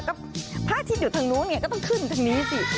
ก็พระอาทิตย์อยู่ทางนู้นไงก็ต้องขึ้นทางนี้สิ